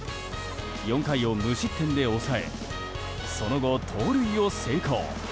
４回を無失点で抑えその後、盗塁を成功。